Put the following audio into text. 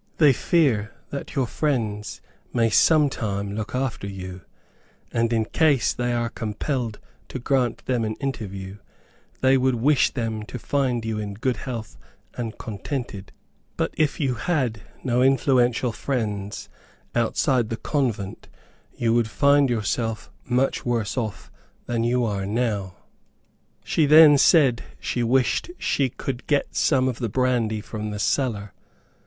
They fear that your friends may sometime look after you; and, in case they are compelled to grant them an interview, they would wish them to find you in good health and contented; but if you had no influential friends outside the convent, you would find yourself much worse off than you are now." She then said she wished she could get some of the brandy from the cellar.